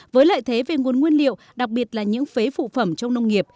với lợi thế về nguồn nguyên liệu đặc biệt là những phế phụ phẩm trong nông nghiệp